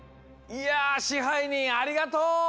いや支配人ありがとう！